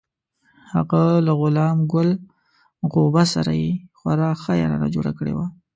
هغه له غلام ګل غوبه سره یې خورا ښه یارانه جوړه کړې وه.